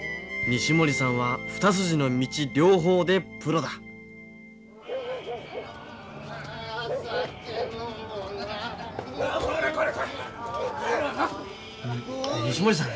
西森さんは二筋の道両方でプロだ西森さん